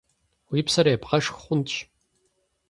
Уи псэр ебгъэшх хъунщ.